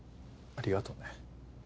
ありがとね。